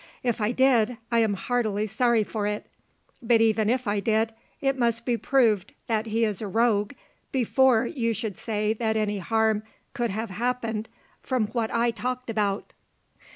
If I did, I am heartily sorry for it: but even if I did, it must be proved that he is a rogue before you should say that any harm could have happened from what I talked about."